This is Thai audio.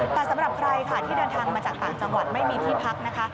แต่สำหรับใครค่ะที่เดินทางมาจากต่างจังหวัดไม่มีที่พักนะคะ